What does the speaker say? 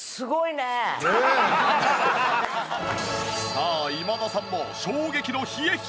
さあ今田さんも衝撃の冷えっ